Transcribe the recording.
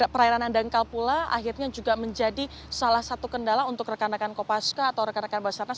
perairan dangkal pula akhirnya juga menjadi salah satu kendala untuk rekan rekan kopaska atau rekan rekan basarnas